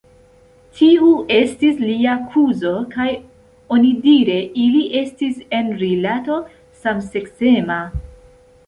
Tiu estis lia kuzo kaj onidire ili estis en rilato samseksema.